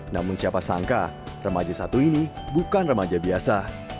namun siapa sangka remaja satu ini bukan remaja biasa